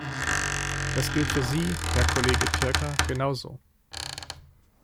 Das gilt für Sie, Herr Kollege Pirker, genauso.